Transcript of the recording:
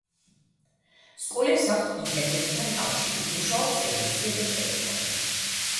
სკოლებს აქვთ ინტერნეტთან კავშირი, მუშაობს ტელევიზია და ტელეფონი.